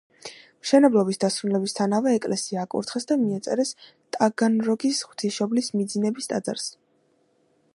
მშენებლობის დასრულებისთანავე ეკლესია აკურთხეს და მიაწერეს ტაგანროგის ღვთისმშობლის მიძინების ტაძარს.